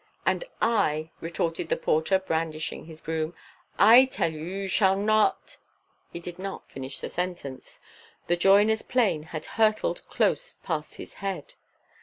"And I," retorted the porter brandishing his broom, "I tell you you shall not...." He did not finish the sentence; the joiner's plane had hurtled close past his head.